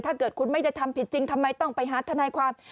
ถ้าเกิดคุณไม่ได้ทำผิดจริงทำไมต้องไปหาทนายความ